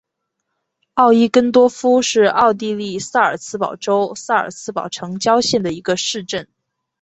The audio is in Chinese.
奥伊根多夫是奥地利萨尔茨堡州萨尔茨堡城郊县的一个市镇。